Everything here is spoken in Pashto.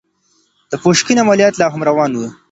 د پوشکين عمليات لا هم روان دي.